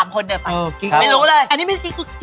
๓คนเดินไป